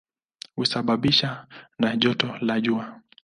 Husababishwa na joto la jua.